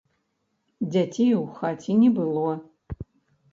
Дзяцей у хаце не было.